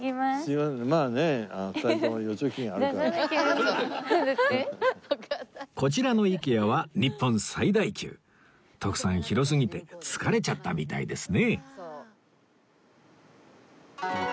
まあねこちらの ＩＫＥＡ は日本最大級徳さん広すぎて疲れちゃったみたいですね